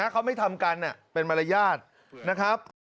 เขาไม่ทำกันเป็นมารยาทนะครับ